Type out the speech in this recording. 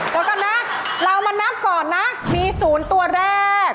แล้วก่อนนะเรามานับก่อนนะมีศูนย์ตัวแรก